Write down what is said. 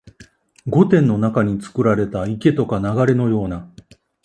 御殿の中につくられた池とか流れのような、